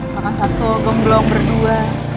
makan satu gemblong berdua